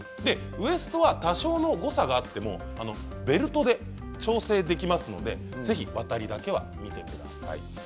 ウエストは多少の誤差があってもベルトで調整できますのでぜひワタリだけは見てください。